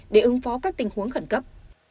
để ứng phó các tình huống khẩn cấp